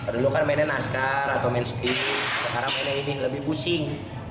dulu kan mainnya nascar atau manspeed sekarang mainnya ini lebih pusing